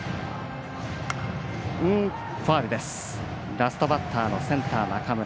ラストバッターのセンター中村。